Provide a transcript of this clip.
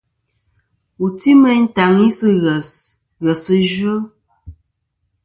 Wù ti meyn tàŋi sɨ̂ ghès, ghèsɨ yvɨ.